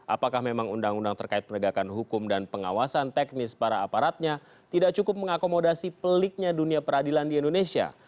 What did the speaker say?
apakah memang undang undang terkait penegakan hukum dan pengawasan teknis para aparatnya tidak cukup mengakomodasi peliknya dunia peradilan di indonesia